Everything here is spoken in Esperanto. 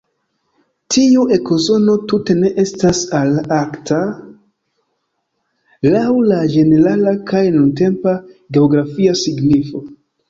Tiu ekozono tute ne estas "arkta" laŭ la ĝenerala kaj nuntempa geografia signifo.